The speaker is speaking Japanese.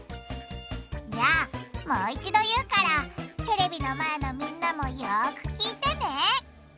じゃあもう一度言うからテレビの前のみんなもよく聞いてね！